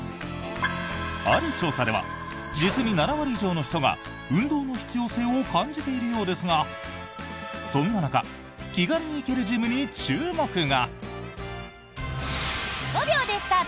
ある調査では実に７割以上の人が運動の必要性を感じているようですがそんな中気軽に行けるジムに注目が。